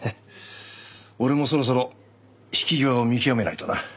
俺もそろそろ引き際を見極めないとな。